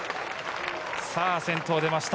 先頭、出ました。